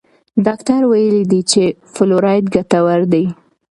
ډاکټر ویلي دي چې فلورایډ ګټور دی.